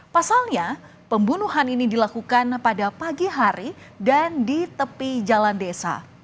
pasalnya pembunuhan ini dilakukan pada pagi hari dan di tepi jalan desa